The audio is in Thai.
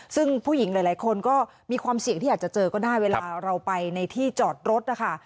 ซึ่งผู้หญิงหลายคนก็มีความเสี่ยงที่อาจจะเจอก็ได้เวลาเราไปในที่จอดรถนะคะ